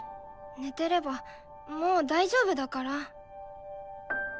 寝てればもう大丈夫だから。